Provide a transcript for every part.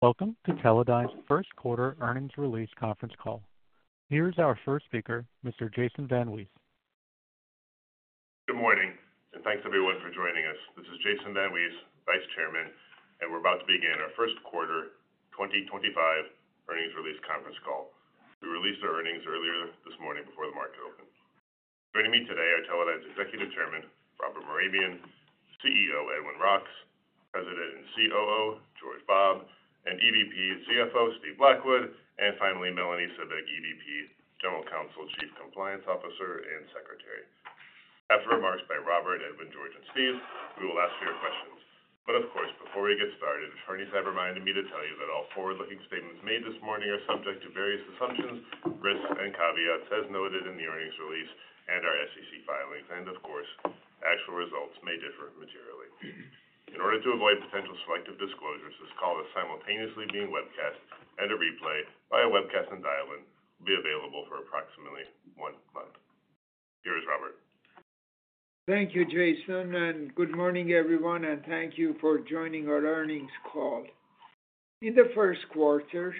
Welcome to Teledyne's first quarter Earnings Release Conference call. Here is our first speaker, Mr. Jason VanWees. Good morning and thanks everyone for joining us. This is Jason VanWees, Vice Chairman and we're about to begin our first quarter 2025 earnings release conference call. We released our earnings earlier this morning before the market opened. Joining me today are Teledyne's Executive Chairman Robert Mehrabian, CEO Edwin Roks, President and COO George Bobb and EVP, CFO Steve Blackwood, and finally Melanie Cibik, General Counsel, Chief Compliance Officer and Secretary. After remarks by Robert, Edwin, George and Steve, we will ask for your questions. Of course, before we get started, attorneys have reminded me to tell you that all forward looking statements made this morning are subject to various assumptions, risks and caveats as noted in the earnings release and our SEC filings. Of course actual results may differ materially in order to avoid potential selective disclosures. This call is simultaneously being webcast and a replay via webcast and dial in will be available for approximately one month. Here is Robert. Thank you, Jason, and good morning everyone, and thank you for joining our earnings call. In the first quarter,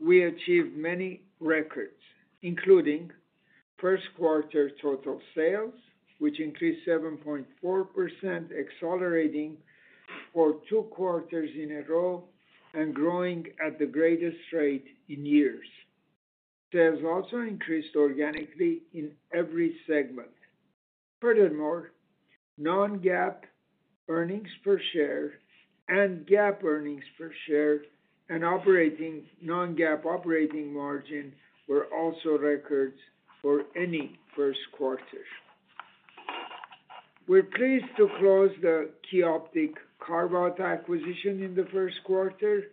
we achieved many records, including first quarter total sales, which increased 7.4%, accelerating for two quarters in a row and growing at the greatest rate in years. Sales also increased organically in every segment. Furthermore, non-GAAP earnings per share and GAAP earnings per share and operating non-GAAP operating margin were also records for any first quarter. We are pleased to close the Qioptiq carve-out acquisition in the first quarter,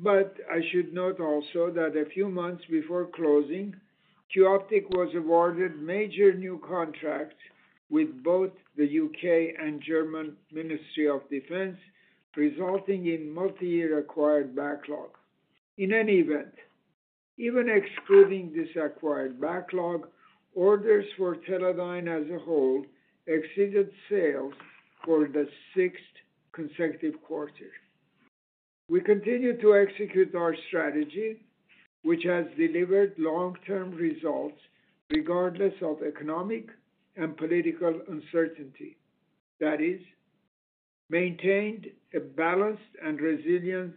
but I should note also that a few months before closing, Qioptiq was awarded major new contracts with both the U.K. and German Ministry of Defense, resulting in multi-year acquired backlog. In any event, even excluding this acquired backlog, orders for Teledyne as a whole exceeded sales for the sixth consecutive quarter. We continue to execute our strategy which has delivered long-term results regardless of economic and political uncertainty, that is, maintained a balanced and resilient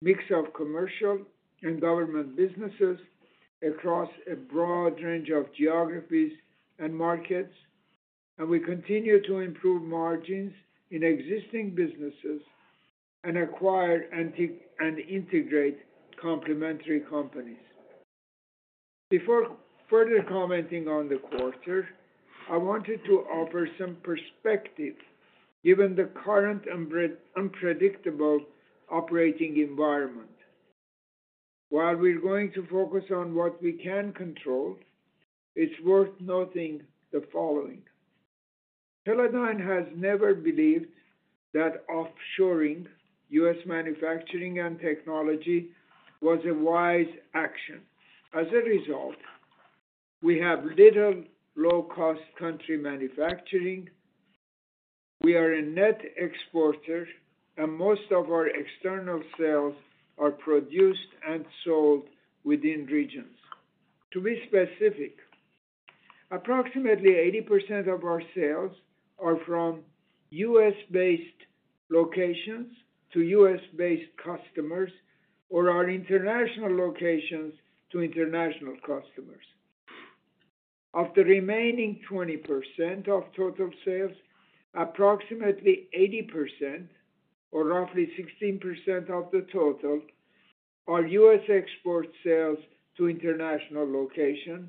mix of commercial and government businesses across a broad range of geographies and markets, and we continue to improve margins in existing businesses and acquire and integrate complementary companies. Before further commenting on the quarter, I wanted to offer some perspective given the current unpredictable operating environment. While we're going to focus on what we can control, it's worth noting the following. Teledyne has never believed that offshoring U.S. Manufacturing and Technology was a wise action. As a result, we have little low cost country manufacturing, we are a net exporter, and most of our external sales are produced and sold within regions. To be specific, approximately 80% of our sales are from U.S. based on locations to U.S. based customers or our international locations to international customers. Of the remaining 20% of total sales, approximately 80%, or roughly 16% of the total, are U.S. export sales to international locations,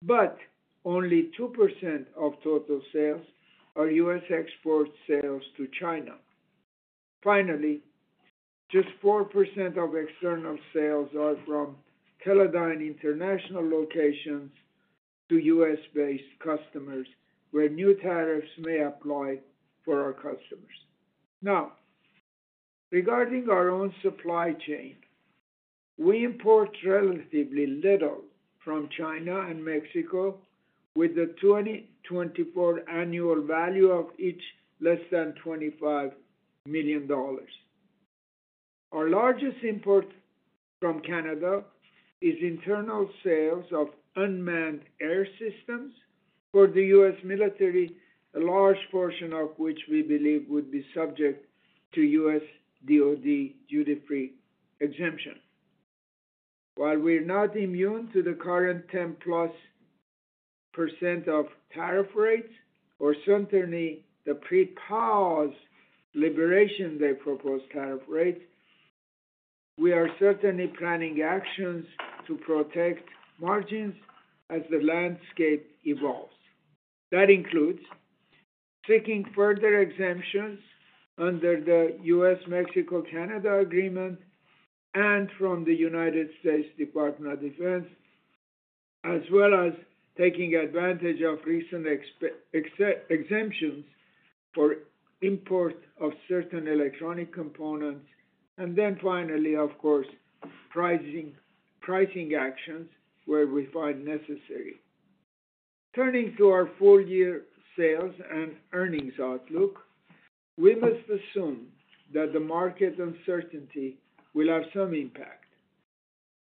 but only 2% of total sales are U.S. export sales to China. Finally, just 4% of external sales are from Teledyne international locations to U.S. based customers where new tariffs may apply for our customers. Now regarding our own supply chain, we import relatively little from China and Mexico with the 2024 annual value of each less than $25 million. Our largest import from Canada is internal sales of unmanned air systems for the U.S. military, a large portion of which we believe would be subject to U.S. DoD duty free exemption. While we're not immune to the current 10+% of tariff rates or certainly the pre-pause Inauguration Day proposed tariff rates, we are certainly planning actions to protect margins as the landscape evolves. That includes seeking further exemptions under the U.S.-Mexico-Canada Agreement and from the United States Department of Defense, as well as taking advantage of recent exemptions for import of certain electronic components and then finally of course, pricing actions where we find necessary. Turning to our full year sales and earnings outlook, we must assume that the market uncertainty will have some impact.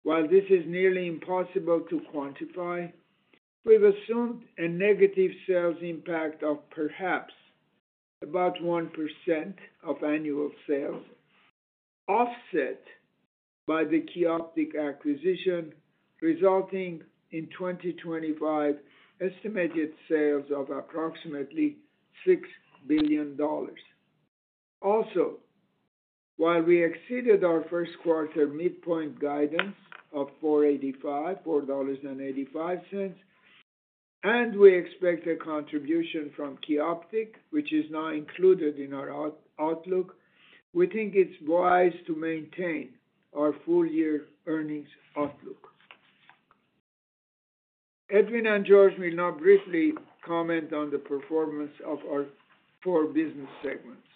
While this is nearly impossible to quantify, we've assumed a negative sales impact of perhaps about 1% of annual sales offset by the Qioptiq acquisition resulting in 2025 estimated sales of approximately $6 billion. Also, while we exceeded our first quarter midpoint guidance of $4.85, $4.85, and we expect a contribution from Qioptiq, which is now included in our outlook, we think it's wise to maintain our full year earnings outlook. Edwin and George will now briefly comment on the performance of our four business segments.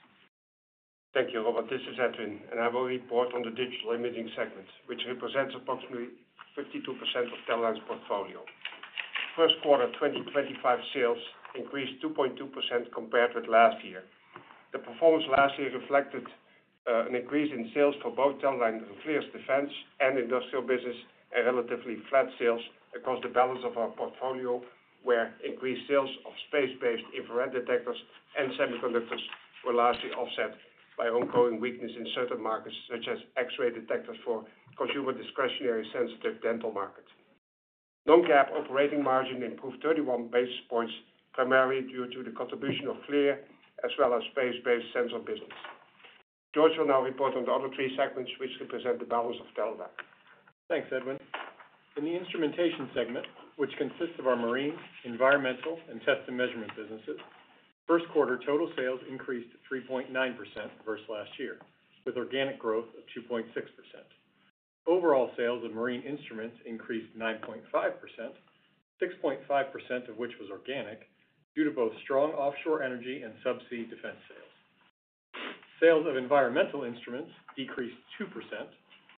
Thank you Robert. This is Edwin and I will report on the Digital Imaging Segment which represents approximately 52% of Teledyne's portfolio. First quarter 2025 sales increased 2.2% compared with last year. The performance last year reflected an increase in sales for both Teledyne and FLIR's defense and industrial business and relatively flat sales across the balance of our portfolio where increased sales of space based infrared detectors and semiconductors were largely offset by ongoing weakness in certain markets such as X-ray detectors for consumer discretionary sensitive dental markets. Non-GAAP operating margin improved 31 basis points primarily due to the contribution of FLIR as well as space-based sensor business. George will now report on the other three segments which represent the balance of Televac Thanks Edwin. In the Instrumentation segment, which consists of our marine, environmental, and test and measurement businesses, first quarter total sales increased 3.9% versus last year with organic growth of 2.6%. Overall sales of marine instruments increased 9.5%, 6.5% of which was organic, due to both strong offshore energy and subsea defense sales. Sales of environmental instruments decreased 2%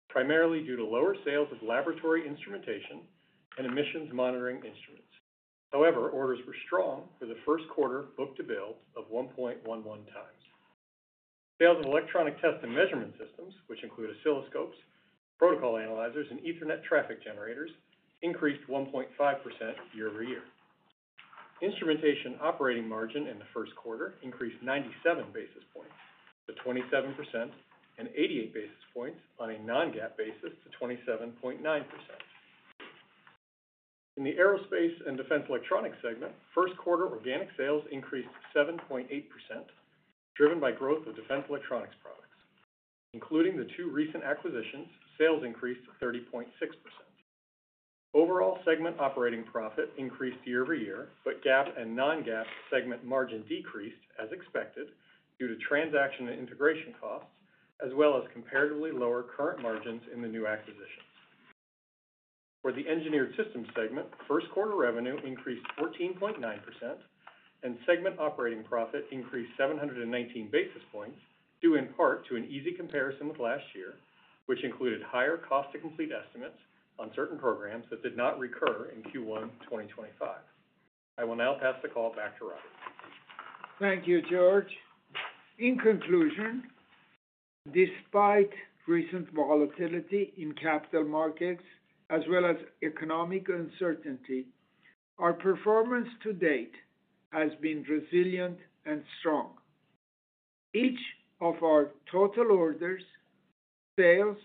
primarily due to lower sales of laboratory Instrumentation and emissions monitoring instruments. However, orders were strong for the first quarter, with a book-to-bill of 1.11 times. Sales of electronic test and measurement systems, which include oscilloscopes, protocol analyzers, and Ethernet traffic generators, increased 1.5% year-over-year. Instrumentation operating margin in the first quarter increased 97 basis points to 27% and 88 basis points on a non-GAAP basis to 27.9%. In the Aerospace and Defense Electronics segment, first quarter organic sales increased 7.8% driven by growth of defense electronics products. Including the two recent acquisitions, sales increased 30.6% overall. Segment operating profit increased year-over-year, but GAAP and non-GAAP segment margin decreased as expected due to transaction and integration costs as well as comparatively lower current margins in the new acquisitions. For the Engineered Systems segment, first quarter revenue increased 14.9% and segment operating profit increased 719 basis points due in part to an easy comparison with last year which included higher cost to complete estimates on certain programs that did not recur in Q1 2025. I will now pass the call back to Robert. Thank you, George. In conclusion, despite recent volatility in capital markets as well as economic uncertainty, our performance to date has been resilient and strong. Each of our total orders, sales,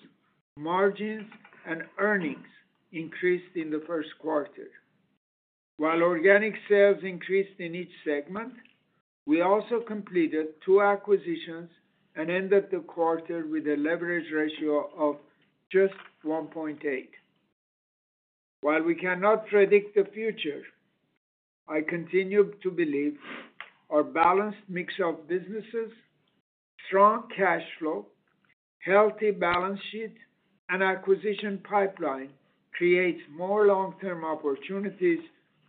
margins, and earnings increased in the first quarter while organic sales increased in each segment. We also completed two acquisitions and ended the quarter with a leverage ratio of just 1.8. While we cannot predict the future, I continue to believe our balanced mix of businesses, strong cash flow, healthy balance sheet, and acquisition pipeline creates more long term opportunities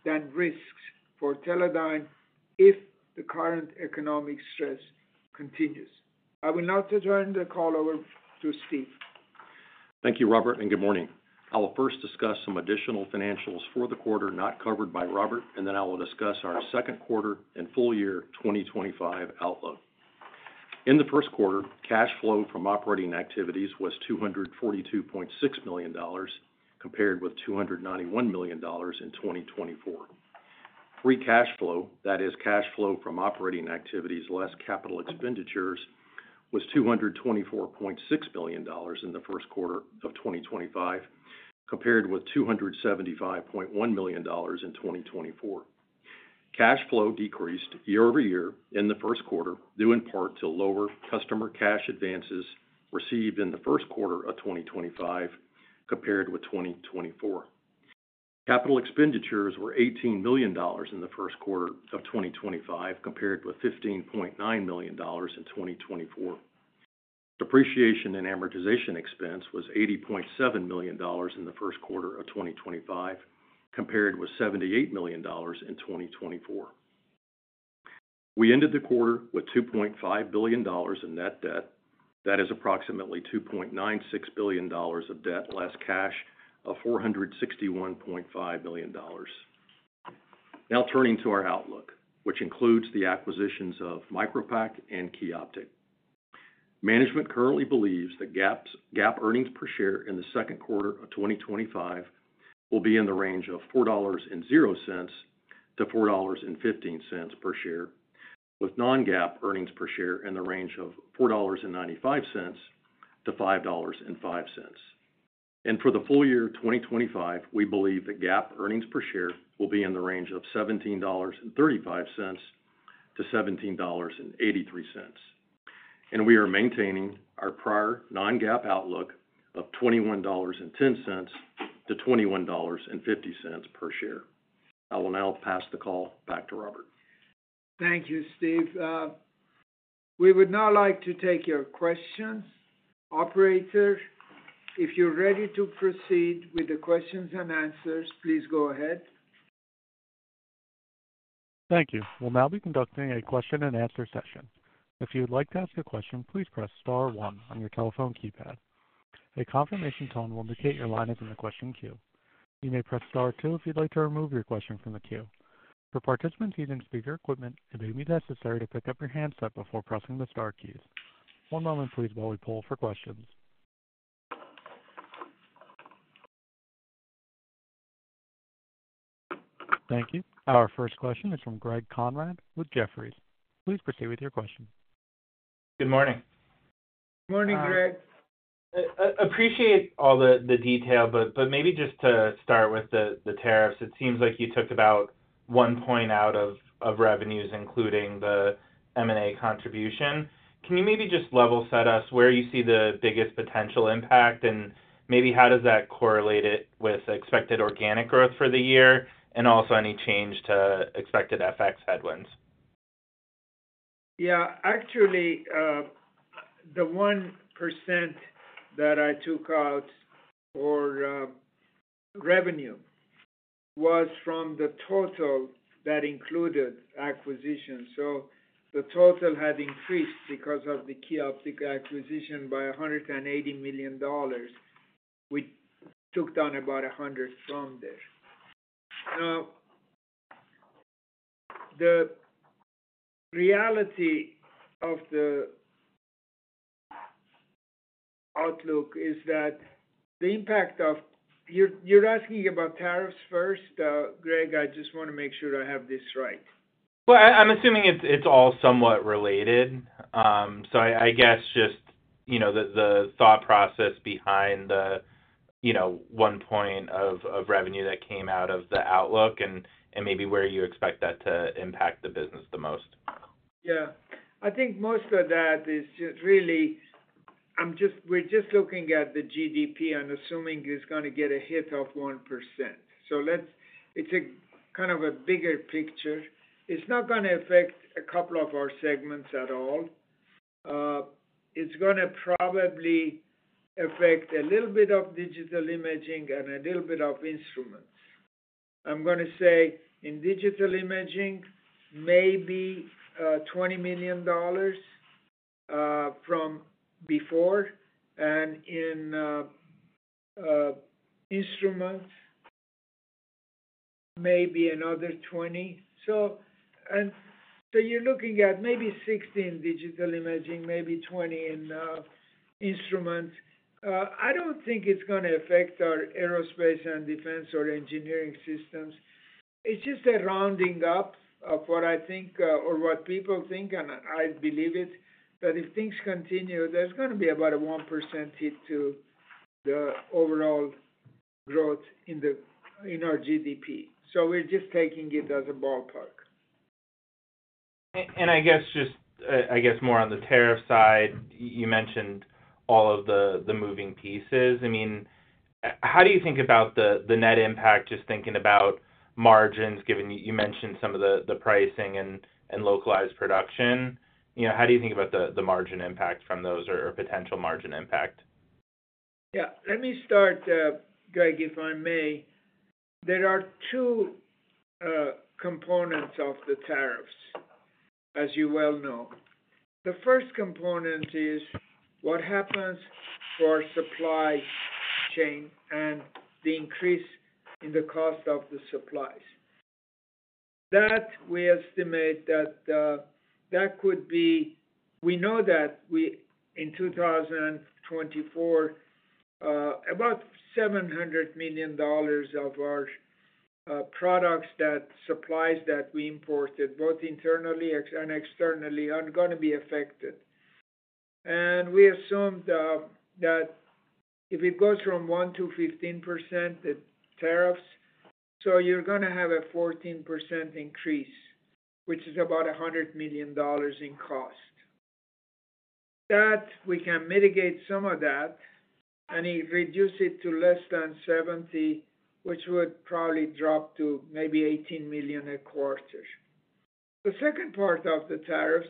than risks for Teledyne if the current economic stress continues. I will now turn the call over to Steve. Thank you, Robert, and good morning. I will first discuss some additional financials for the quarter not covered by Robert and then I will discuss our second quarter and full year 2025 outlook. In the first quarter, cash flow from operating activities was $242.6 million compared with $291 million in 2024. Free cash flow, that is cash flow from operating activities, less capital expenditures, was $224.6 million in the first quarter of 2025 compared with $275.1 million in 2024. Cash flow decreased year-over-year in the first quarter due in part to lower customer cash advances received in the first quarter of 2025 compared with 2024. Capital expenditures were $18 million in the first quarter of 2025, compared with $15.9 million in 2024. Depreciation and amortization expense was $80.7 million in the first quarter of 2025, compared with $78 million. We ended the quarter with $2.5 billion in net debt. That is approximately $2.96 billion of debt less cash of $461.5 million. Now turning to our outlook, which includes the acquisitions of Micropac and Qioptiq. Management currently believes that GAAP earnings per share in the second quarter of 2025 will be in the range of $4-$4.15 per share, with non-GAAP earnings per share in the range of $4.95-$5.05. For the full year 2025, we believe that GAAP earnings per share will be in the range of $17.35-$17.83, and we are maintaining our prior non-GAAP outlook of $21.10-$21.50 per share. I will now pass the call back to Robert. Thank you, Steve. We would now like to take your questions. Operator, if you're ready to proceed with the questions and answers, please go ahead. Thank you. We'll now be conducting a question and answer session. If you'd like to ask a question, please press star one on your telephone keypad. A confirmation tone will indicate your lineup. In the question queue. You may press star 2 if you'd like to remove your question from the queue. For participants using speaker equipment, it may be necessary to pick up your handset before pressing the star keys. One moment please, while we poll for questions. Thank you. Our first question is from Greg Konrad with Jefferies. Please proceed with your question. Good morning. Morning, Greg. Appreciate All the detail, but maybe just. To start with the tariffs. It seems like you took about one point out of revenues, including the M&A contribution. Can you maybe just level set us where you see the biggest potential impact and maybe how does that correlate it with expected organic growth for the year and also any change to expected FX headwinds? Yeah, actually the 1% that I took out for revenue was from the total that included acquisitions. So the total had increased because of the Qioptiq acquisition by $180 million. We took down about $100 million from this. Now the reality of the outlook is that the impact of—you're asking about tariffs first, Greg, I just want to make sure I have this right. I'm assuming it's all somewhat related. I guess just the thought process behind the, you know, one point of revenue that came out of the outlook and maybe where you expect that to impact the business the most. Yeah, I think most of that is really we're just looking at the GDP and assuming it's going to get a hit of 1%. Let's, it's a kind of a bigger picture. It's not going to affect a couple of our segments at all. It's going to probably affect a little bit of Digital Imaging and a little bit of instruments. I'm going to say in Digital Imaging maybe $20 million from before and in instruments maybe another 20, so you're looking at maybe 16 Digital Imaging, maybe 20 in instruments. I don't think it's going to affect our Aerospace and Defense or Engineering Systems. It's just a rounding up of what I think or what people think and I believe it that if things continue there's going to be about a 1% hit to the overall growth in our GDP. We're just taking it as a ballpark. I guess just, I guess more on the tariff side. You mentioned all of the moving pieces. I mean how do you think about the net impact? Just thinking about margins, given you mentioned some of the pricing and localized production, how do you think about the margin impact from those or potential margin impact? Yeah. Let me start, Greg, if I may. There are two components of the tariffs, as you well know. The first component is what happens to our supply chain and the increase in the cost of the supplies that we estimate that could be. We know that in 2024 about $700 million of our products, the supplies that we imported both internally and externally, are going to be affected. We assumed that if it goes from 1% to 15% the tariffs, you are going to have a 14% increase, which is about $100 million in cost, that we can mitigate some of that and reduce it to less than $70 million, which would probably drop to maybe $18 million a quarter. The second part of the tariffs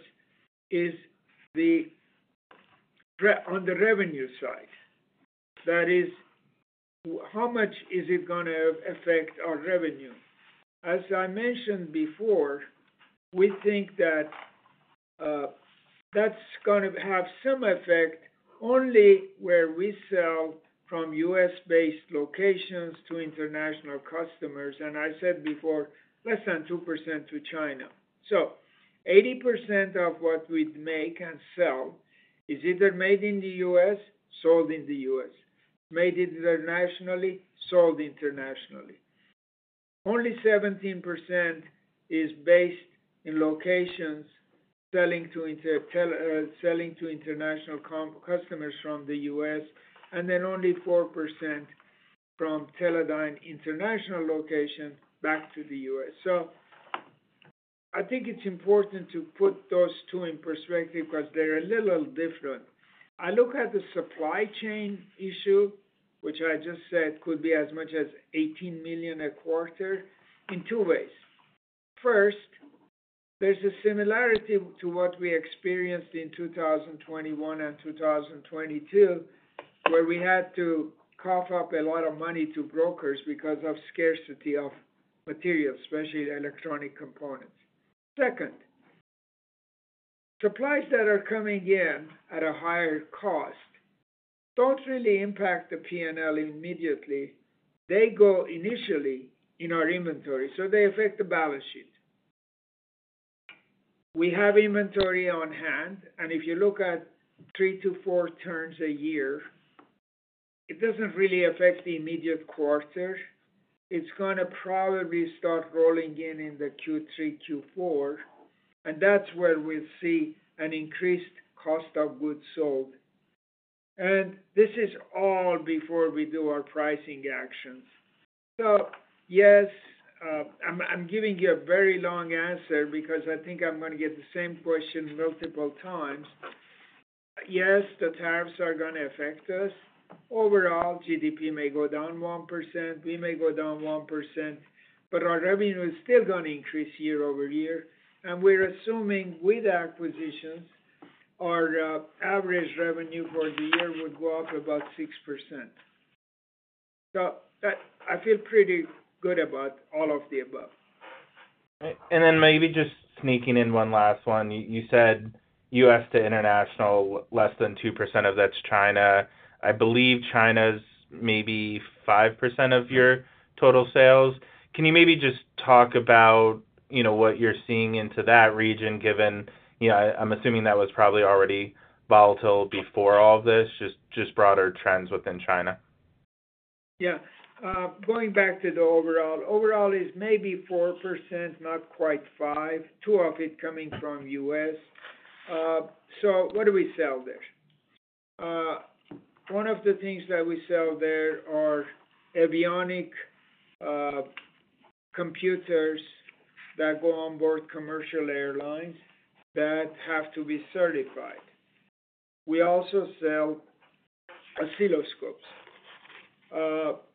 is on the revenue side. That is how much is it going to affect our revenue? As I mentioned before, we think that that's going to have some effect only where we sell from U.S.-based locations to international customers and I said before less than 2% to China. 80% of what we make and sell is either made in the U.S. sold in the U.S. made internationally, sold internationally. Only 17% is based in locations selling to international customers from the U.S. and then only 4% from Teledyne international location back to the U.S. I think it's important to put those two in perspective because they're a little different. I look at the supply chain issue, which I just said could be as much as $18 million a quarter, in two ways. First, there's a similarity to what we experienced in 2021 and 2022 where we had to cough up a lot of money to brokers because of scarcity of materials, especially electronic components. Second, supplies that are coming in at a higher cost really impact the P&L immediately. They go initially in our inventory so they affect the balance sheet. We have inventory on hand. If you look at three to four turns a year, it does not really affect the immediate quarter. It is going to probably start rolling in in the Q3, Q4 and that is where we will see an increased cost of goods sold. This is all before we do our pricing actions. Yes, I am giving you a very long answer because I think I am going to get the same question multiple times. Yes, the tariffs are going to affect us. Overall GDP may go down 1%, we may go down 1%, but our revenue is still going to increase year-over-year. We are assuming with acquisitions our average revenue for the year would go up about 6%. I feel pretty good about all of the above. Maybe just sneaking in one last one. You said U.S. to international. Less than 2% of that's China. I believe China's maybe 5% of your total sales. Can you maybe just talk about what you're seeing into that region given I'm assuming that was probably already volatile before all of this. Just broader trends within China. Yeah, going back to the overall, overall is maybe 4%, not quite 5, 2 of it coming from us. So what do we sell there? One of the things that we sell there are avionic computers that go on board commercial airlines that have to be certified. We also sell oscilloscopes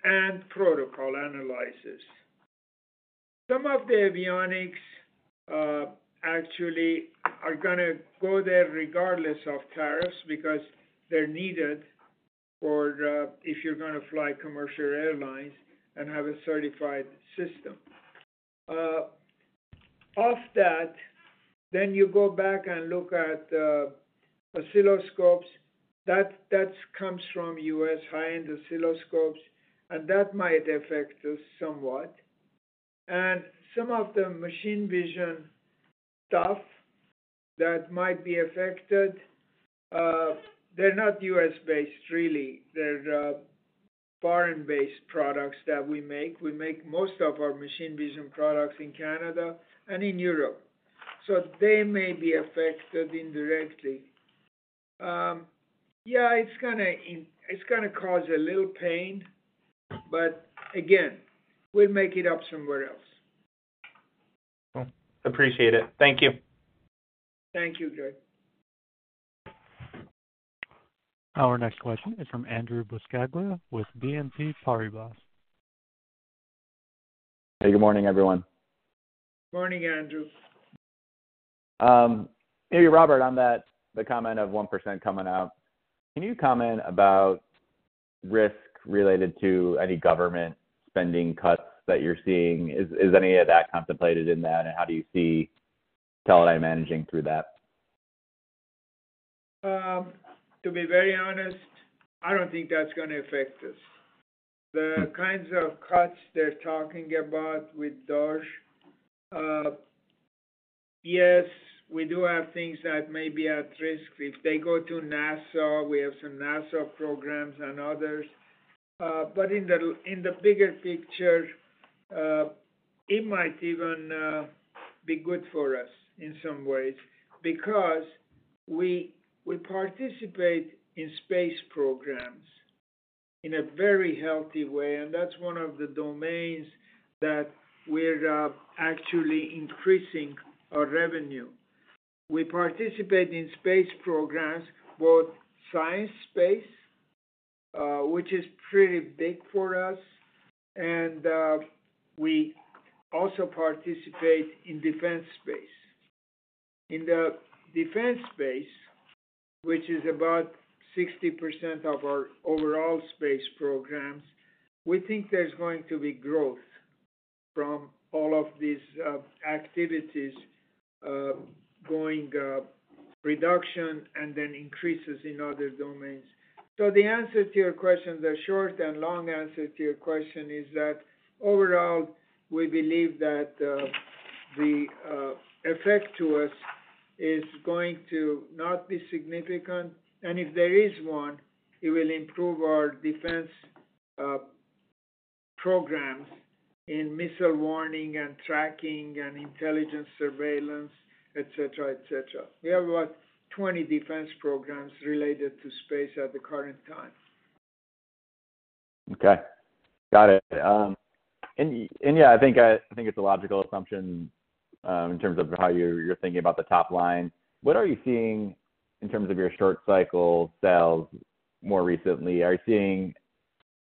and protocol analyzers. Some of the avionics actually are going to go there regardless of tariffs because they're needed. If you're going to fly commercial airlines and have a certified system of that, then you go back and look at oscilloscopes that comes from us, high end oscilloscopes and that might affect us somewhat. And some of the machine vision stuff that might be affected, they're not US based really, they're foreign based products that we make. We make most of our machine vision products in Canada and in Europe. So they may be affected indirectly. Yeah, it's going to cause a little pain, but again, we'll make it up somewhere else. Appreciate it. Thank you. Thank you, Greg. Our next question is from Andrew Buscaglia with BNP Paribas. Hey, good morning everyone. Morning, Andrew. Hey Robert, on that comment of 1% coming out, can you comment about risk related to any government spending cuts that you're seeing? Is any of that contemplated in that? How do you see Teledyne managing through that? To be very honest, I don't think that's going to affect us. The kinds of cuts they're talking about with DoD. Yes, we do have things that may be at risk if they go to NASA. We have some NASA programs and others. In the bigger picture it might even be good for us in some ways because we participate in space programs in a very healthy way and that's one of the domains that we're actually increasing our revenue. We participate in space programs, both science space, which is pretty big for us, and we also participate in defense space. In the defense space, which is about 60% of our overall space programs, we think there's going to be growth from all of these activities going reduction and then increases in other domains. The answer to your question, the short and long answer to your question is that overall we believe that the effect to us is going to not be significant and if there is one, it will improve our defense programs in missile warning and tracking and intelligence surveillance, etc. etc. We have about 20 defense programs related to space at the current time. Okay, got it. I think it's a logical assumption in terms of how you're thinking about the top line. What are you seeing in terms of your short cycle sales more recently? Are you seeing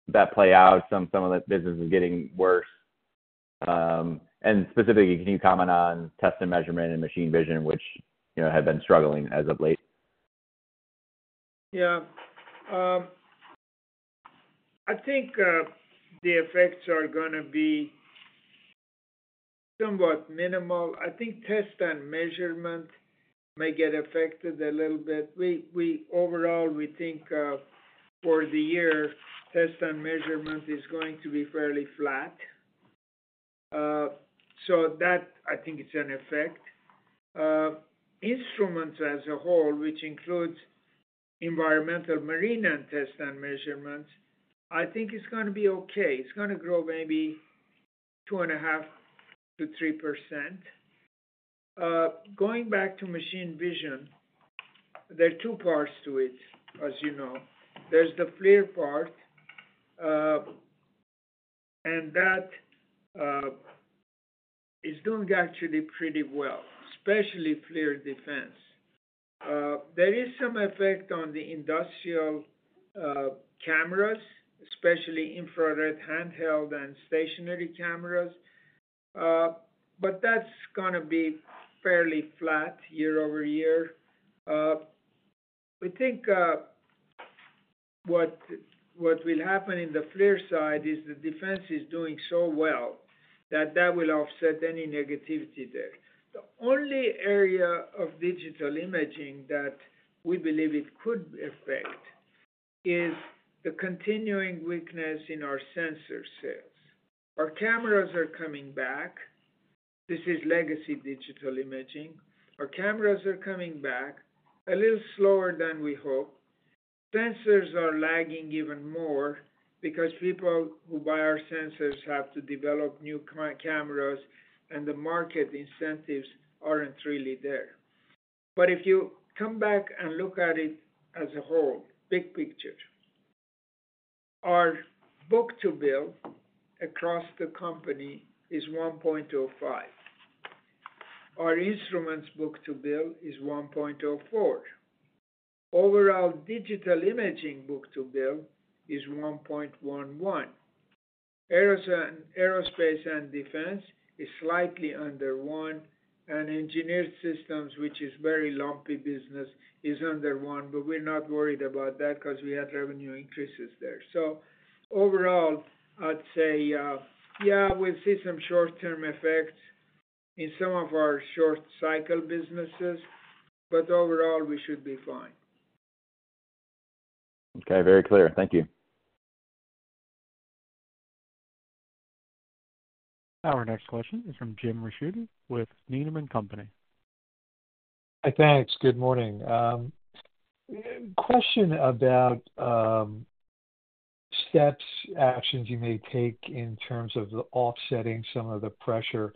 that play out, some of the businesses getting worse? Specifically, can you comment on test. Measurement and machine vision, which have. Been struggling as of late? Yeah, I think the effects are going to be somewhat minimal. I think test and measurement may get affected a little bit. Overall, we think for the year test and measurement is going to be fairly flat. That I think is an effect. Instruments as a whole, which includes environmental, marine and test and measurement, I think is going to be okay. It's going to grow maybe 2.5-3%. Going back to machine vision, there are two parts to it, as you know, there's the FLIR part and that. Is. Doing actually pretty well, especially FLIR defense. There is some effect on the industrial cameras, especially infrared, handheld and stationary cameras, but that's going to be fairly flat year-over-year. We think what will happen in the FLIR side is the defense is doing so well that that will offset any negativity there. The only area of digital imaging that we believe it could affect is the continuing weakness in our sensor sales. Our cameras are coming back. This is legacy digital imaging. Our cameras are coming back a little slower than we hoped. Sensors are lagging even more because people who buy our sensors have to develop new cameras and the market incentives aren't really there. If you come back and look at it as a whole big picture, our book-to-bill across the company is 1.05. Our instruments book-to-bill is 1.04. Overall digital imaging book-to-bill is 1.11. Aerospace and Defense is slightly under 1 and Engineered Systems, which is very lumpy business, is under 1. We are not worried about that because we had revenue increases there. Overall I would say yeah, we will see some short-term effects in some of our short-cycle businesses, but overall we should be fine. Okay, very clear. Thank you. Our next question is from Jim Ricchiuti with Needham & Company. Hi, thanks. Good morning. Question about. Steps actions you may take in terms of offsetting some of the pressure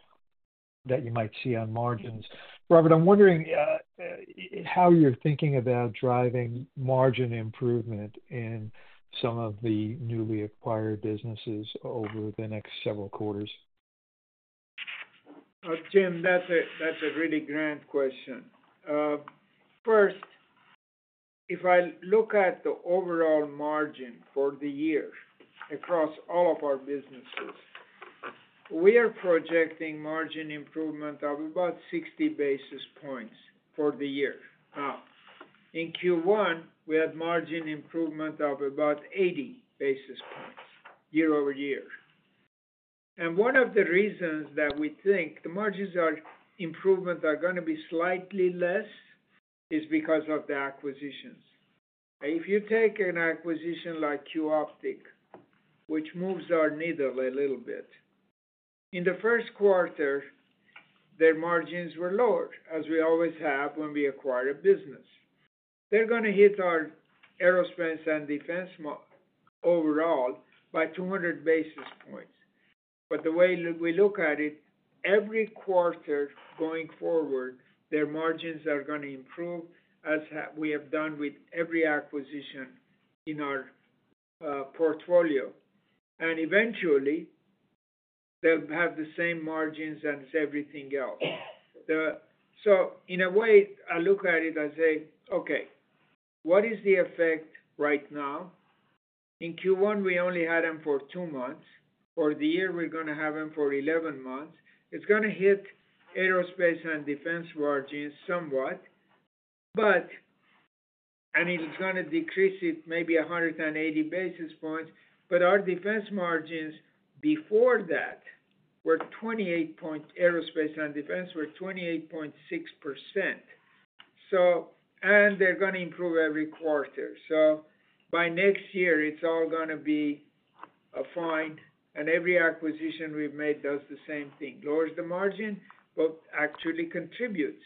that you might see on margins. Robert, I'm wondering how you're thinking about. Driving margin improvement in some of the newly acquired businesses over the next several quarters. Jim, that's a really grand question. First, if I look at the overall margin for the year across all of our businesses, we are projecting margin improvement of about 60 basis points for the year. Now in Q1, we had margin improvement of about 80 basis points year-over-year. One of the reasons that we think the margins are improvements are going to be slightly less is because of the acquisitions. If you take an acquisition like Qioptiq, which moves our needle a little bit, in the first quarter, their margins were lower, as we always have when we acquire a business, they're going to hit our Aerospace and Defense overall by 200 basis points. The way we look at it, every quarter going forward, their margins are going to improve as we have done with every acquisition in our portfolio, and eventually they'll have the same margins as everything else. In a way I look at it, I say, okay, what is the effect right now in Q1? We only had them for two months. For the year we're going to have them for 11 months. It's going to hit Aerospace and Defense margins somewhat, but I mean it's going to decrease it maybe 180 basis points. Our defense margins before that were 28%. Aerospace and Defense were 28.6%. They are going to improve every quarter. By next year it's all going to be fine. Every acquisition we've made does the same thing, lowers the margin, but actually contributes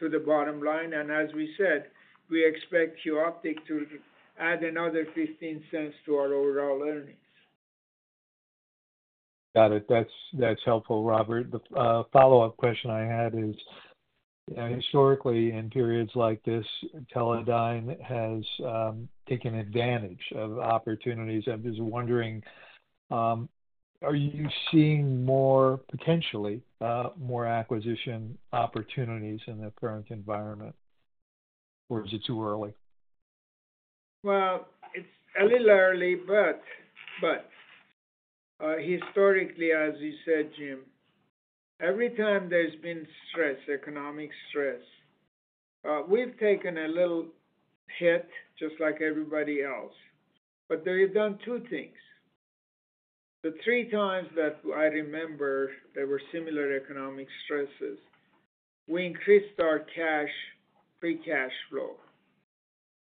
to the bottom line. As we said, we expect Qioptiq to add another $0.15 to our overall earnings. Got it. That's helpful, Robert. The follow up question I had is historically in periods like this, Teledyne has taken advantage of opportunities. I'm just wondering, are you seeing more, potentially more acquisition opportunities in the current environment or is it too early? It's a little early, but historically, as you said, Jim, every time there's been stress, economic stress, we've taken a little hit just like everybody else. They have done two things. The three times that I remember there were similar economic stresses. We increased our cash free cash flow.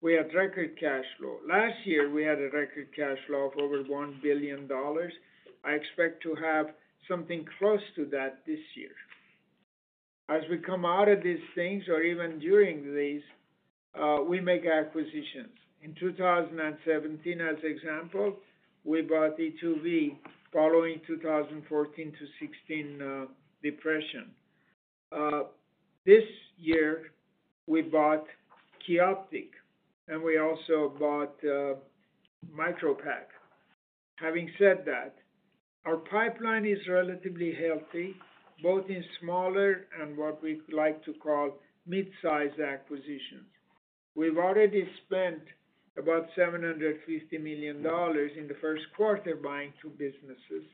We had record cash flow. Last year we had a record cash flow of over $1 billion. I expect to have something close to that this year. As we come out of these things or even during these, we make acquisitions. In 2017, as example, we bought e2v following 2014-2016 depression. This year we bought Qioptiq and we also bought Micropac. Having said that, our pipeline is relatively healthy both in smaller and what we like to call mid sized acquisitions. We've already spent about $750 million in the first quarter buying two businesses.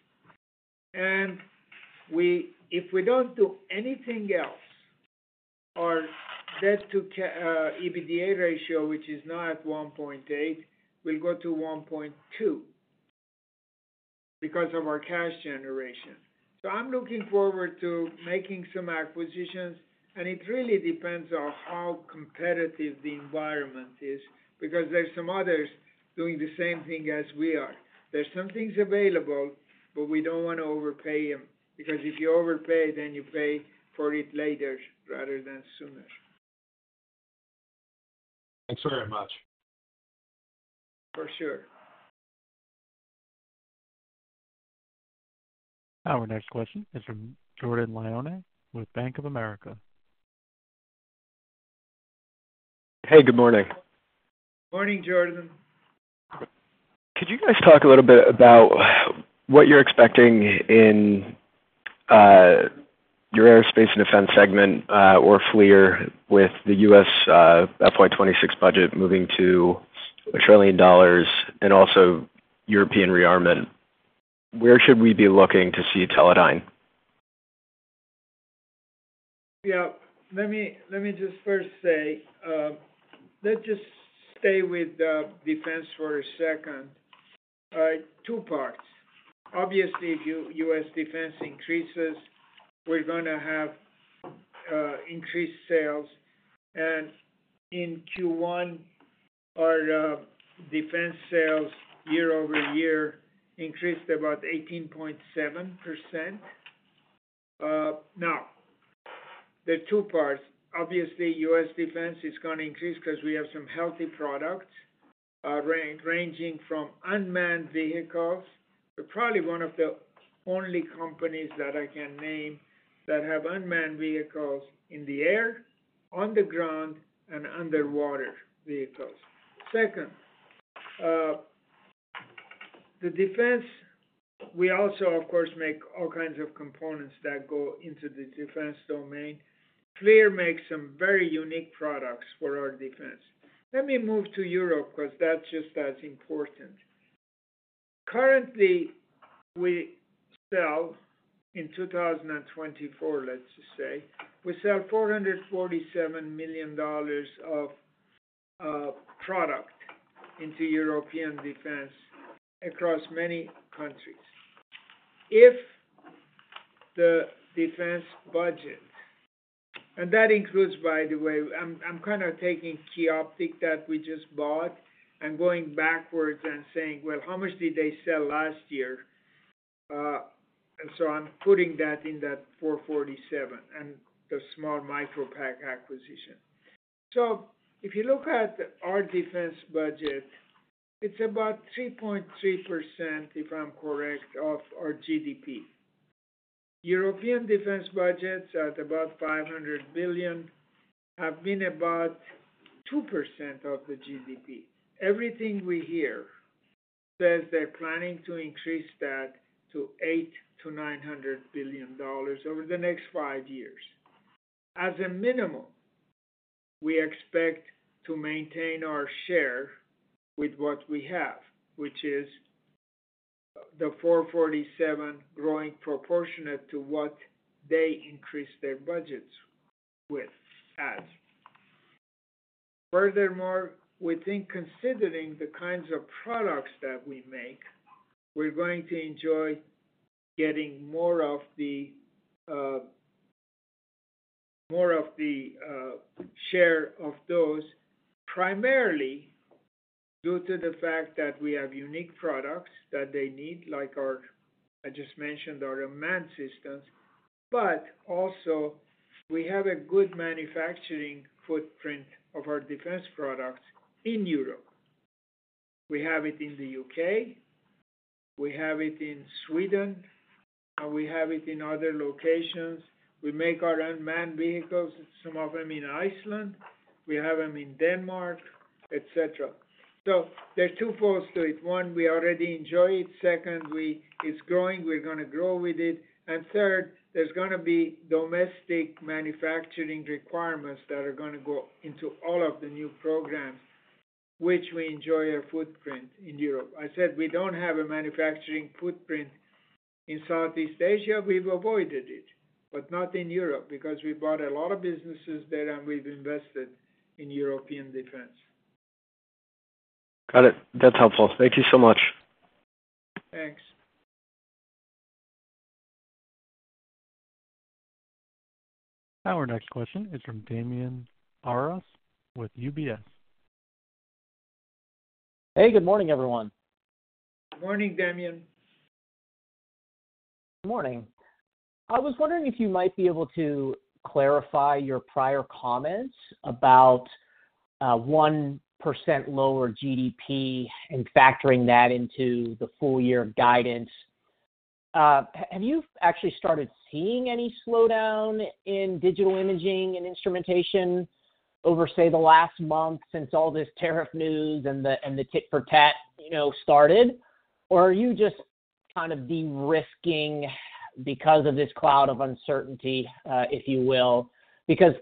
If we do not do anything else, our debt to EBITDA ratio, which is not 1.8, will go to 1.2 because of our cash generation. I am looking forward to making some acquisitions and it really depends on how competitive the environment is because there are some others doing the same thing as we are. There are some things available but we do not want to overpay them because if you overpay, then you pay for it later rather than sooner. Thanks very much. For sure. Our next question is from Jordan Iannone with Bank of America. Hey, good morning. Morning, Jordan. Could you guys talk a little bit about what you're expecting in? Your aerospace. Defense segment or FLIR? With the U.S. FY2026 budget moving to a trillion dollars and also European rearmament, where should we be looking to see Teledyne? Yeah, let me just first say let's just stay with defense for a second, two parts. Obviously, if U.S. defense increases, we're going to have increased sales. In Q1, our defense sales year-over-year increased about 18.7%. Now there are two parts. Obviously, U.S. defense is going to increase because we have some healthy products ranging from unmanned vehicles. Probably one of the only companies that I can name that have unmanned vehicles in the air, on the ground, and underwater vehicles. Second, the defense. We also of course make all kinds of components that go into the defense domain. FLIR makes some very unique products for our defense. Let me move to Europe because that's just as important. Currently, we sell in 2024, let's say we sell $447 million of product into European defense across many countries. If the defense budget, and that includes, by the way, I'm kind of taking Qioptiq that we just bought and going backwards and saying, well, how much did they sell last year? And so I'm putting that in that 447 and the small Micropac acquisition. If you look at our defense budget, it's about 3.3% of our GDP. European defense budgets at about $500 billion have been about 2% of the GDP. Everything we hear says they're planning to increase that to $800 billion-$900 billion over the next five years. As a minimum, we expect to maintain our share with what we have, which is the 447 growing proportionate to what they increase their budgets with ads. Furthermore, within considering the kinds of products that we make, we're going to enjoy getting more of the share of those, primarily due to the fact that we have unique products that they need like our, I just mentioned, our unmanned systems. Also, we have a good manufacturing footprint of our defense products in Europe. We have it in the U.K., we have it in Sweden, we have it in other locations. We make our unmanned vehicles, some of them in Iceland, we have them in Denmark, etc. There are two folds to it. One, we already enjoy it. Second, it's growing, we're going to grow with it. Third, there's going to be domestic manufacturing requirements that are going to go into all of the new programs which we enjoy our footprint in Europe. I said we don't have a manufacturing footprint in Southeast Asia. We've avoided it, but not in Europe because we bought a lot of businesses there and we've invested European defense. Got it. That's helpful. Thank you so much. Thanks. Our next question is from Damian Karas with UBS. Hey, good morning everyone. Good morning, Damian. Good morning. I was wondering if you might be able to clarify your prior comments about 1% lower GDP and factoring that into the full year guidance. Have you actually started seeing any slowdown in Digital Imaging and Instrumentation over say the last month since all this tariff news and the tit for tat started? Or are you just kind of de-risking because of this cloud of uncertainty, if you will? Because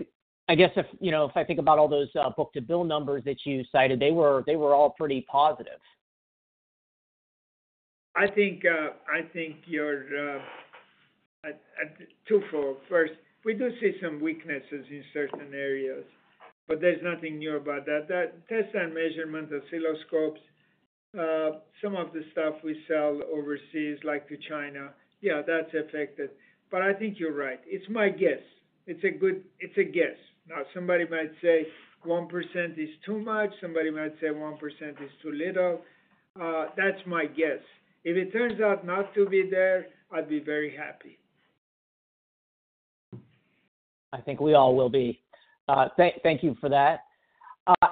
I guess if, you know, if I think about all those book-to-bill numbers that you cited, they were all pretty positive. I think you're twofold. First, we do see some weaknesses in certain areas, but there's nothing new about that test and measurement oscilloscopes. Some of the stuff we sell overseas, like to China, yeah, that's affected. I think you're right. It's my guess. It's a guess. Now somebody might say 1% is too much, somebody might say 1% is too little. That's my guess. If it turns out not to be there, I'd be very happy. I think we all will be. Thank you for that.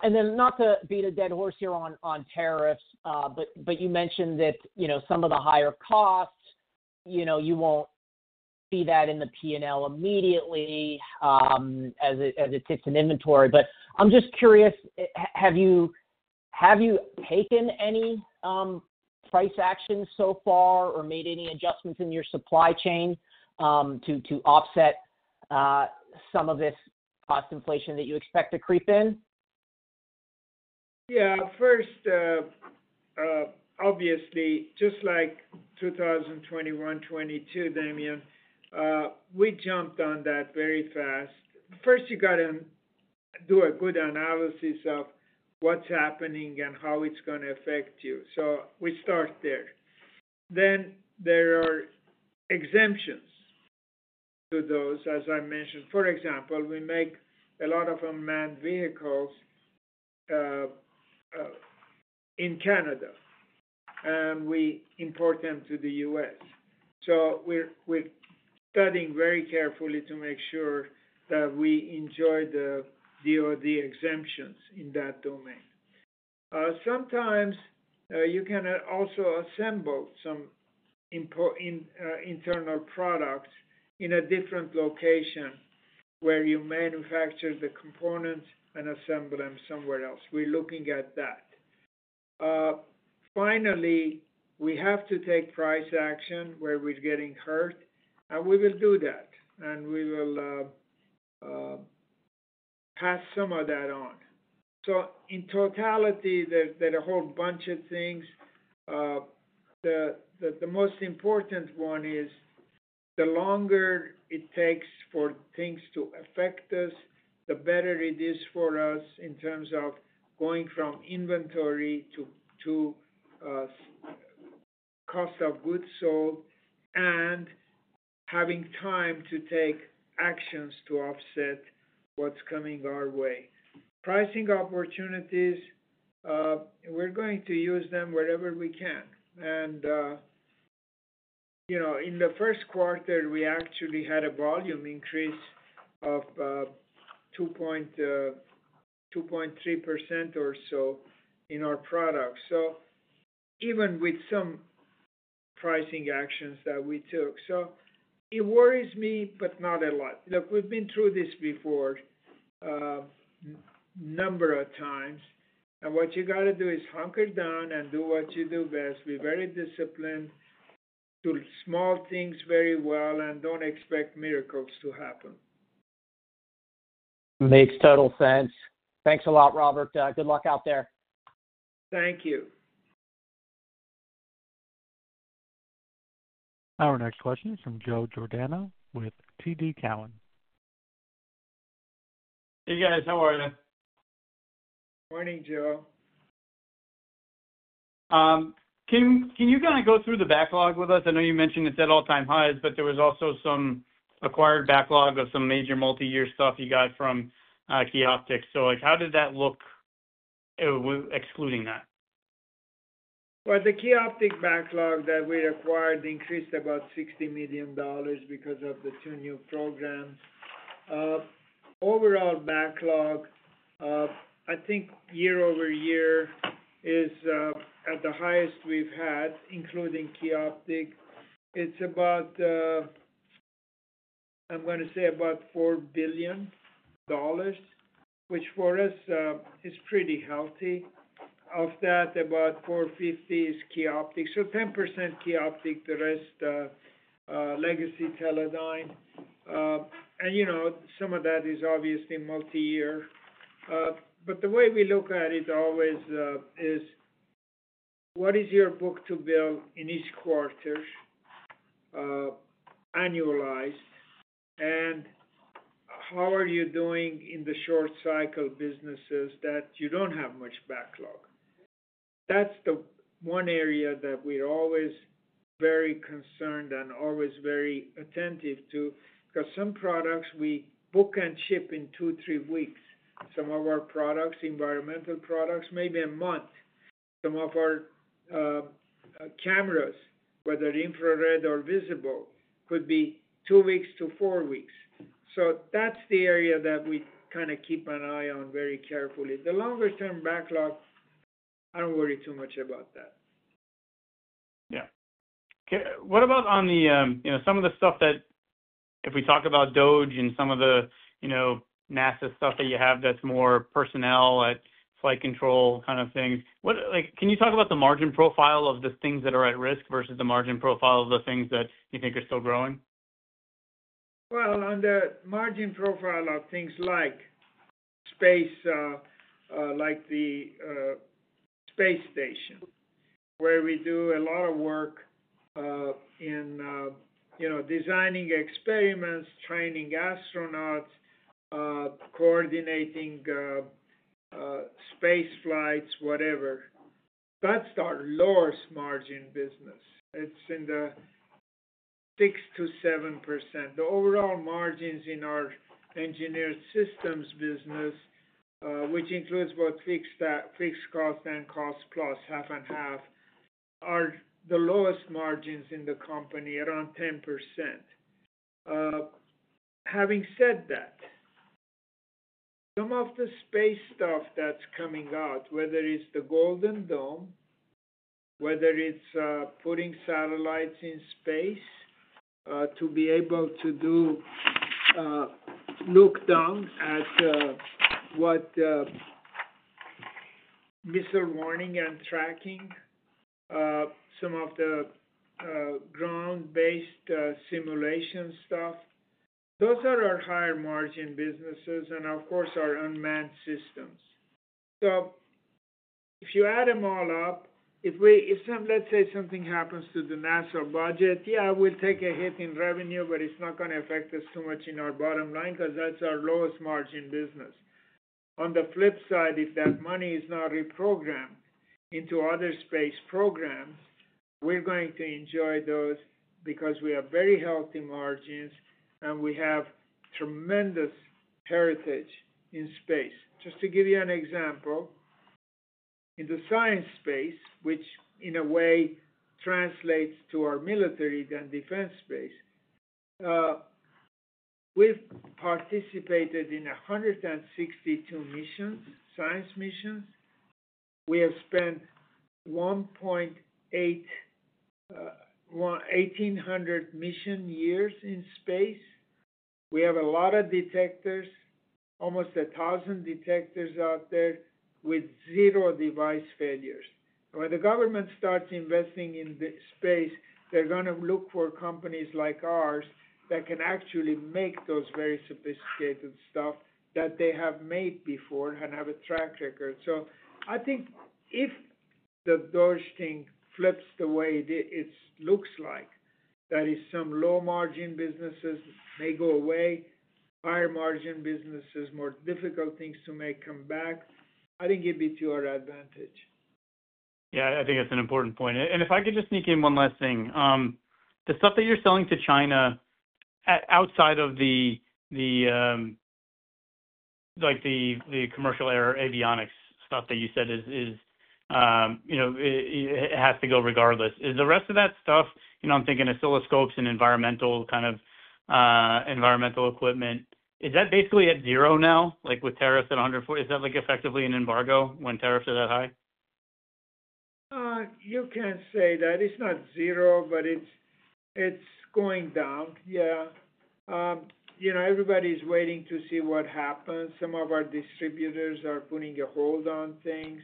Not to beat a dead horse here on tariffs, but you mentioned that some of the higher costs, you know, you won't see that in the P&L immediately as it sits in inventory. I'm just curious, have you taken any price action so far or made any adjustments in your supply chain to offset some of this cost inflation that you expect to creep in? Yeah, first, obviously just like 2020, 2021, 2022. Damian, we jumped on that very fast. First you got to do a good analysis of what's happening and how it's going to affect you. We start there. There are exemptions to those, as I mentioned. For example, we make a lot of unmanned vehicles in Canada and we import them to the U.S. We are studying very carefully to make sure that we enjoy the DoD exemptions in that domain. Sometimes you can also assemble some internal products in a different location where you manufacture the components and assemble them somewhere else. We are looking at that. Finally, we have to take price action where we're getting hurt and we will do that and we will pass some of that on. In totality there are a whole bunch of things. The most important one is the longer it takes for things to affect us, the better it is for us in terms of going from inventory to cost of goods sold and having time to take actions to offset what's coming our way. Pricing opportunities. We're going to use them wherever we can. In the first quarter we actually had a volume increase of 2.3% or so in our products, even with some pricing actions that we took. It worries me, but not a lot. Look, we've been through this before. Number of times and what you got to do is hunker down and do what you do best. Be very disciplined, do small things very well and do not expect miracles to happen. Makes total sense. Thanks a lot, Robert. Good luck out there. Thank you. Our next question is from Joe Giordano with TD Cowen. Hey guys, how are you? Morning Joe. Can you kind of go through the backlog with us? I know you mentioned it's at all time highs, but there was also some acquired backlog of some major multi year stuff you got from Qioptiq. Like how did that look, excluding that? The Qioptiq backlog that we required increased about $60 million because of the two new firms programs. Overall backlog I think year-over-year is at the highest we've had. Including Qioptiq, it's about, I'm going to say about $4 billion, which for us is pretty healthy. Of that about $450 million is Qioptic. So 10% Qioptic, the rest legacy Teledyne. You know, some of that is obviously multi year. The way we look at it always is what is your book-to-bill in each quarter annualized and how are you doing in the short cycle? Businesses that you don't have much backlog, that's the one area that we're always very concerned and always very attentive to because some products we book and ship in two, three weeks. Some of our products, environmental products, maybe a month. Some of our cameras, whether infrared or visible, could be two weeks to four weeks. That is the area that we kind of keep an eye on very carefully. The longer term backlog, I do not worry too much about that. Yeah, what about on the, you know, some of the stuff that if we talk about DOGE and some of the, you know, NASA stuff that you have that's more personnel at flight control kind of things. What, like, can you talk about the margin profile of the things that are at risk versus the margin profile of the things that you think are still growing? On the margin profile of things like space, like the space station where we do a lot of work in, you know, designing experiments, training astronauts, coordinating space flights, whatever, that's our lowest margin business. It's in the 6-7%. The overall margins in our engineered systems business, which includes both fixed cost and cost plus half and half, are the lowest margins in the company, around 10%. Having said that, some of the space stuff that's coming out, whether it's the Golden Dome, whether it's putting satellites in space to be able to do look down at what missile warning and tracking, some of the ground based simulation stuff, those are our higher margin businesses and of course our unmanned systems. If you add them all up, if we, let's say something happens to the NASA budget, yeah, we'll take a hit in revenue, but it's not going to affect us too much in our bottom line because that's our lowest margin business. On the flip side, if that money is not reprogrammed into other space programs, we're going to enjoy those because we have very healthy margins and we have tremendous heritage in space. Just to give you an example in the science space, which in a way translates to our military and defense space, we've participated in 162 missions, science missions. We have spent 1.8 mission years in space. We have a lot of detectors, almost 1,000 detectors out there with zero device failures. When the government starts investing in this space, they're going to look for companies like ours that can actually make those very sophisticated stuff that they have made before and have a track record. I think if those things flips the way it looks like that is some low margin businesses may go away, higher margin businesses, more difficult things to make come back. I think it'd be to our advantage. Yeah, I think that's an important point. If I could just sneak in one last thing. The stuff that you're selling to China outside of the, like the commercial air avionics stuff that you said is, you know, it has to go regardless. Is the rest of that stuff, you know, I'm thinking oscilloscopes and environmental kind of environmental equipment, is that basically at zero now? Like with tariffs at 140, is that like effectively an embargo? When tariffs are that high. You can say that it's not zero, but it's going down. Yeah, you know, everybody's waiting to see what happens. Some of our distributors are putting a hold on things.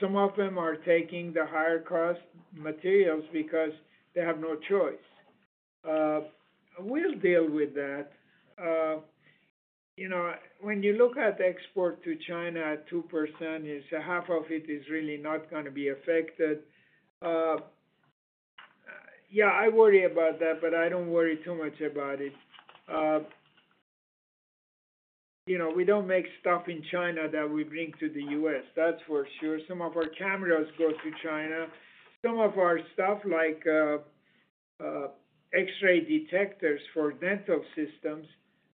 Some of them are taking the higher cost materials because they have no choice. We'll deal with that. You know, when you look at export to China at 2%, half of it is really not going to be affected. Yeah, I worry about that, but I don't worry too much about it. You know, we don't make stuff in China that we bring to the U.S., that's for sure. Some of our cameras go to China. Some of our stuff like X-ray detectors for dental systems.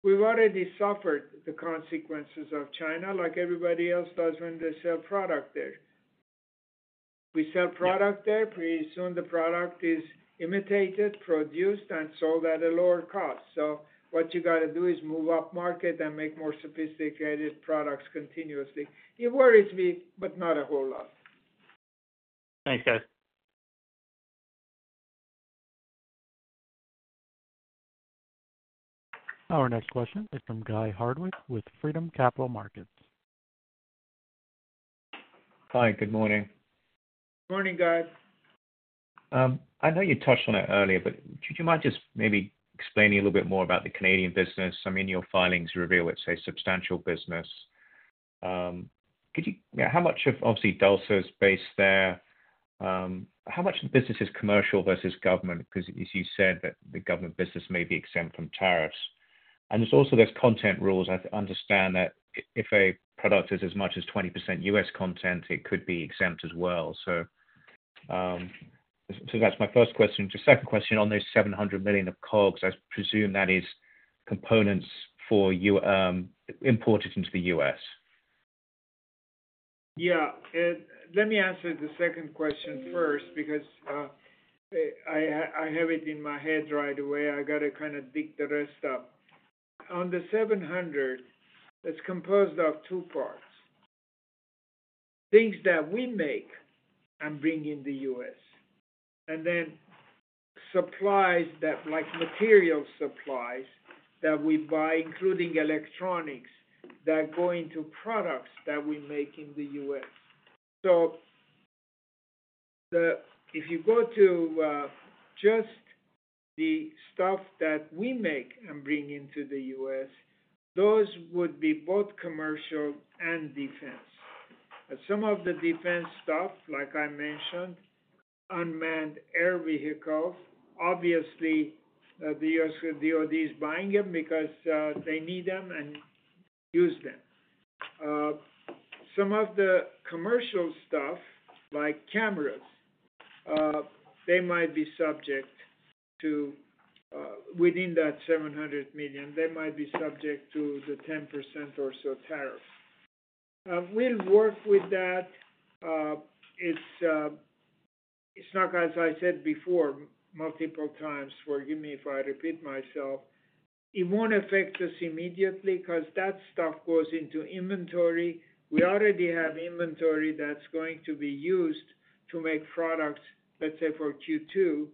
We've already suffered the consequences of China, like everybody else does when they sell product there, we sell product there. Pretty soon the product is imitated, produced and sold at a lower cost. What you got to do is move up market and make more sophisticated products continuously. It worries me, but not a whole lot. Thanks, guys. Our next question is from Guy Hardwick with Freedom Capital Markets. Hi, good morning. Morning guys. I know you touched on it earlier, but could you mind just maybe explaining a little bit more about the Canadian business? I mean your filings reveal it's a substantial business. Could you how much of obviously DALSA based there, how much of the business is commercial versus government because as you said that the government business may be exempt from tariffs and there's also those content rules. I understand that if a product is as much as 20% U.S. content, it could be exempt as well. That's my first question. Just second question on those $700 million of COGS, I presume that is components for imported into the U.S. Yeah, let me answer the second question first because I have it in my head right away. I got to kind of dig the rest up on the $700 million. It's composed of two parts, things that we make and bring in the U.S., and then supplies, like material supplies that we buy, including electronics that go into products that we make in the U.S. If you go to just the stuff that we make and bring into the U.S., those would be both commercial and defense. Some of the defense stuff, like I mentioned, unmanned air vehicles, obviously the U.S. DoD is buying them because they need them and use them. Some of the commercial stuff, like cameras, they might be subject to, within that $700 million, they might be subject to the 10% or so tariff. We'll work with that. It's not, as I said before, multiple times, forgive me if I repeat myself, it won't affect us immediately because that stuff goes into inventory. We already have inventory that's going to be used to make products. Let's say for Q2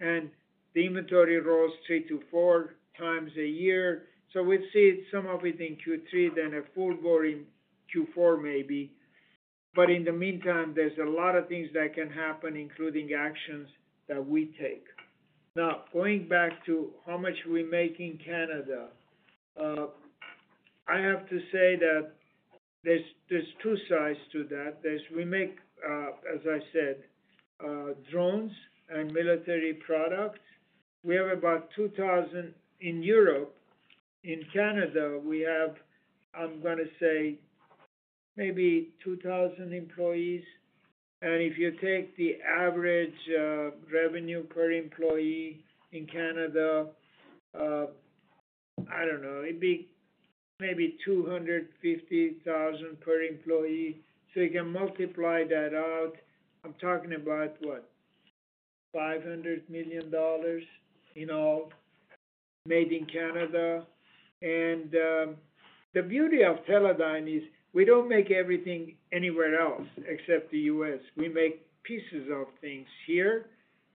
and the inventory rolls three to four times a year. We've seen some of it in Q3, then a full growing Q4 maybe. In the meantime there's a lot of things that can happen, including actions that we take. Now, going back to how much we make in Canada, I have to say that there's two sides to that. We make, as I said, drones and military products. We have about 2,000 in Europe. In Canada, we have, I'm going to say maybe 2,000 employees. If you take the average revenue per employee in Canada, I don't know, it'd be maybe $250,000 per employee. You can multiply that out. I'm talking about, what, $500 million, you know, made in Canada. The beauty of Teledyne is we don't make everything anywhere else except the U.S. We make pieces of things here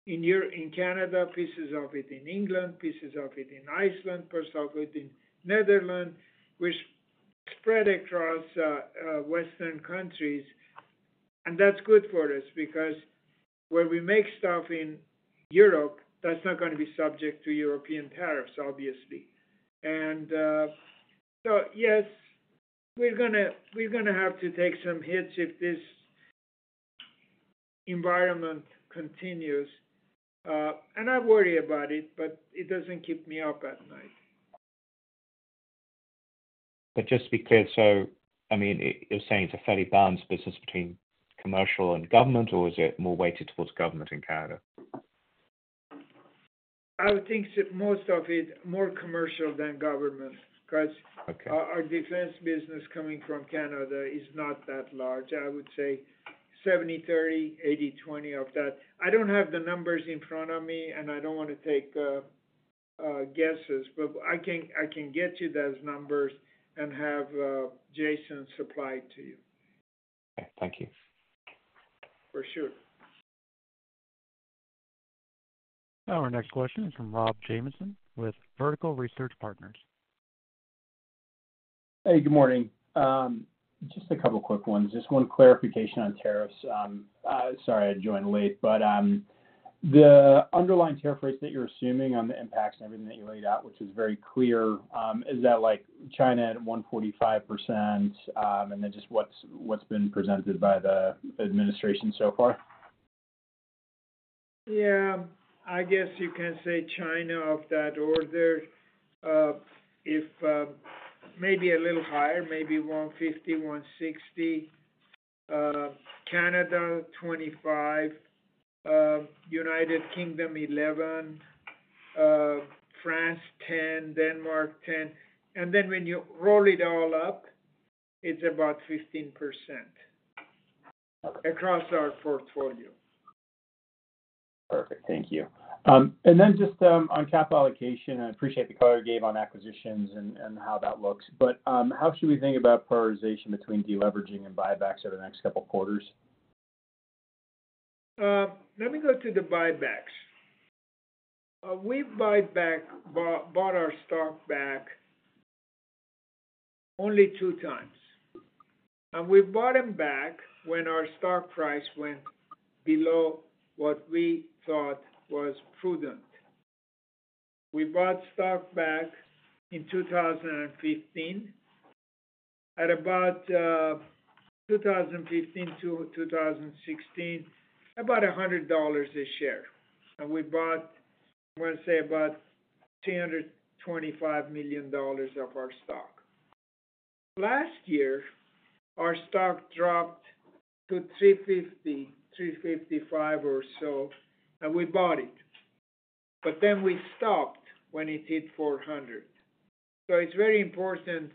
in Canada, pieces of it in England, pieces of it in Iceland, pieces of it in Netherlands, which spread across western countries. That's good for us because where we make stuff in Europe, that's not going to be subject to European tariffs. Obviously, yes, we're going to have to take some hits if this environment continues. I worry about it, but it doesn't keep me up at night. Just to be clear. I mean, you're saying it's a fairly balanced business between commercial and government, or is it more weighted towards government in Canada? I would think most of it more commercial than government because our defense business coming from Canada is not that large. I would say 70-30, 80-20 of that. I do not have the numbers in front of me, and I do not want to take guesses, but I can get you those numbers and have Jason supply to you. Thank you. For sure. Our next question is from Rob Jamieson with Vertical Research Partners. Hey, good morning. Just a couple quick ones. Just one clarification on tariffs. Sorry I joined late, but the underlying. Tariff rates that you're assuming on the. Impacts and everything that you laid out, which is very clear, is that like China at 145% and then just what's been presented by the administration so far? Yeah, I guess you can say China of that order, if maybe a little higher, maybe 150-160%. Canada, 25%. United Kingdom, 11%. France, 10%, Denmark, 10%. And then when you roll it all up, it's about 15% across our portfolio. Perfect, thank you. Just on capital allocation, I appreciate the color you gave on acquisitions. How to that looks, but how. Should we think about prioritization between deleveraging? Buybacks over the next couple quarters? Let me go to the buybacks. We bought our stock back only two times, and we bought them back when our stock price went below what we thought was prudent. We bought stock back in 2015 to 2016, about $100 a share. We bought, let's say, about $325 million of our stock. Last year our stock dropped to $353, $355 or so and we bought it, but then we stopped when it hit $400. It is very important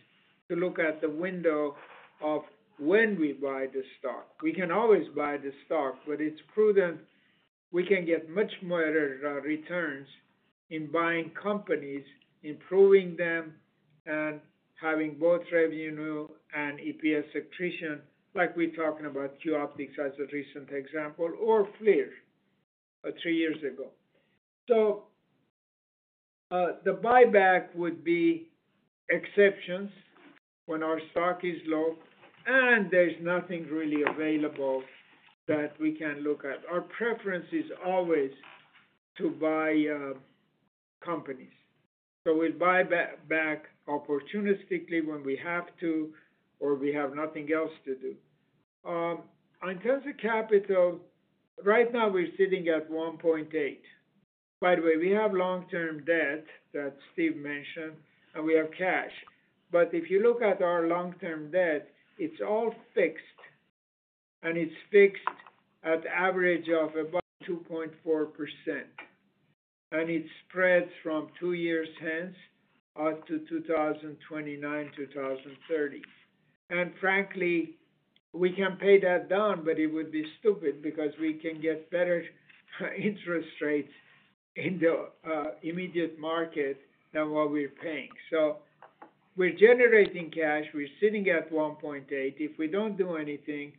to look at the window of when we buy the stock. We can always buy the stock, but it is prudent. We can get much better returns in buying companies, improving them and having both revenue and EPS attrition like we are talking about Qioptiq as a recent example or FLIR three years ago. The buyback would be exceptions. When our stock is low and there's nothing really available that we can look at, our preference is always to buy companies. So we'll buy back opportunistically when we have to or we have nothing else to do. In terms of capital. Right now we're sitting at 1.8, by the way, we have long term debt that Steve mentioned and we have cash. If you look at our long term debt, it's all fixed and it's fixed at average of about 2.4% and it spreads from two years hence up to 2029, 2030. Frankly we can pay that down, but it would be stupid because we can get better interest rates in the immediate market than what we're paying. We're generating cash, we're sitting at 1.8. If we don't do anything,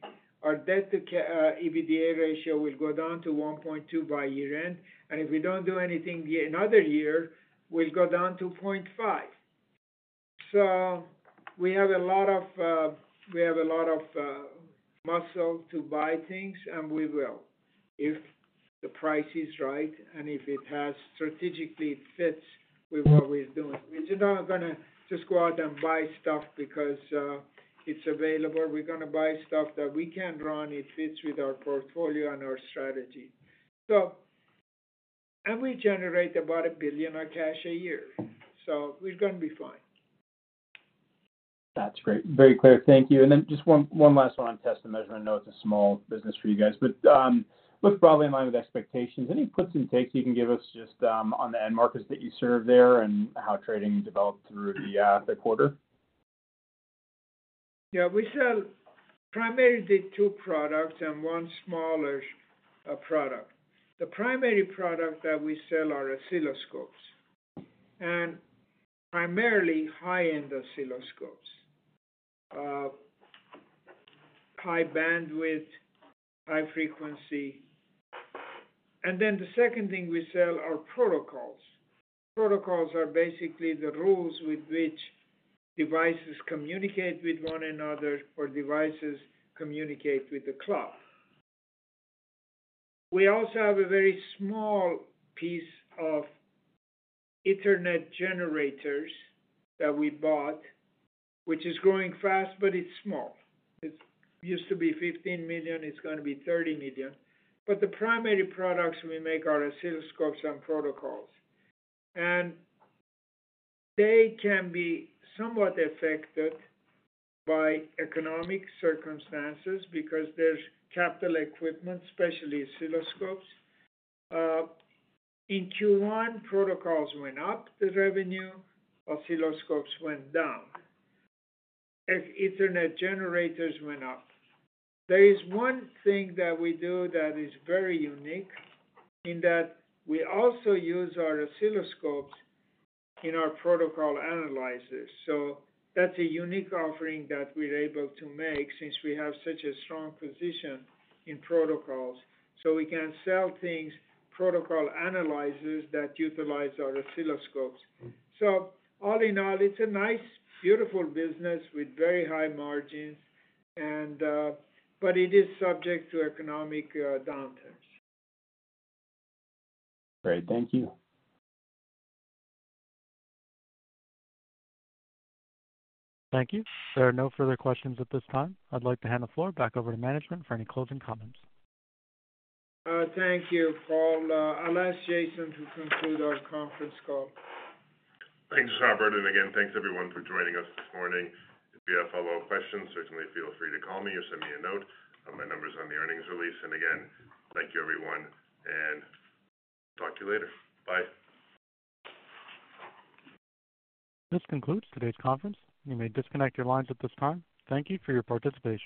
our debt to EBITDA ratio will go down to one point by year end. If we do not do anything another year, we will go down to 0.5. We have a lot of muscle to buy things, and we will if the price is right and if it strategically fits with what we are doing. We are not going to just go out and buy stuff because it is available, we are going to buy stuff that we can run. It fits with our portfolio and our strategy. We generate about $1 billion of cash a year, so we are going to be fine. That is great, very clear, thank you. One last one on Test and Measurement notes. A small business for you guys. Looks broadly in line with expectations. Any puts and takes you can give us just on the end markets that? You served there and how trading developed through the quarter. Yeah, we sell primarily two products and one smaller product. The primary product that we sell are oscilloscopes and primarily high end oscilloscopes. High bandwidth, high frequency. The second thing we sell are protocols. Protocols are basically the rules with which devices communicate with one another or devices communicate with the cloud. We also have a very small piece of Ethernet generators that we bought which is growing fast, but it's small. It used to be $15 million, it's going to be $30 million. The primary products we make are oscilloscopes and protocols and they can be somewhat affected by economic circumstances because there's capital equipment, especially oscilloscopes in Q1. Protocols went up, the revenue oscilloscopes went down, Ethernet generators went up. There is one thing that we do that is very unique in that we also use our oscilloscopes in our protocol analyzers. That is a unique offering that we are able to make since we have such a strong position in protocols, so we can sell things, protocol analyzers that utilize our oscilloscopes. All in all, it is a nice, beautiful business with very high margins, but it is subject to economic downturns. Great. Thank you. Thank you. There are no further questions at this time. I'd like to hand the floor back over to management for any closing comments. Thank you, Paul. I'll ask Jason to conclude our conference call. Thanks, Robert. Thanks everyone for joining us this morning. If you have follow up questions, certainly feel free to call me or send me a note. My number is on the earnings release. Thank you everyone and talk to you later. Bye. This concludes today's conference. You may disconnect your lines at this time. Thank you for your participation.